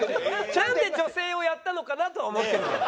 なんで女性をやったのかなとは思ってるけど。